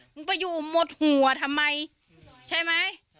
มึงไปอยู่หมดหัวทำไมใช่ไหม